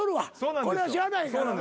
これはしゃあないからな。